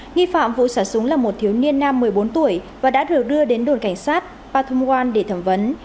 nghi phạm vụ xả súng là một thiếu niên nam một mươi bốn tuổi và đã được đưa đến đồn cảnh sát pathumwan để thẩm vấn